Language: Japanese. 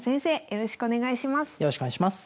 よろしくお願いします。